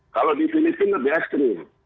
kalau di filipina best ring